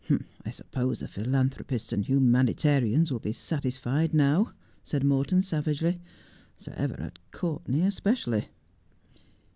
' I suppose the philanthropists 'and humanitarians will be satisfied now,' said Morton savagely, 'Sir Everard Courtenay especially.'